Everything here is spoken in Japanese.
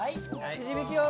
くじ引きよ。